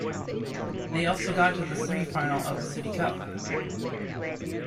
They also got to the semi-final of the City Cup.